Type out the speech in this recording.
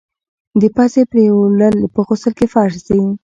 د پزي پرېولل په غسل کي فرض دي.